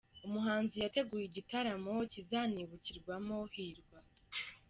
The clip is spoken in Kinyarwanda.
Umuhanzi yateguye igitaramo kizanibukirwamo Hirwa